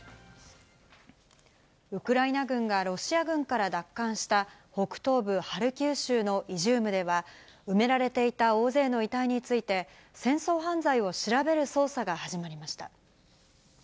ウクライナ軍がロシア軍から奪還した北東部ハルキウ州のイジュームでは、埋められていた大勢の遺体について、戦争犯罪を調べる捜査が始まりました。